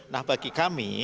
nah bagi kami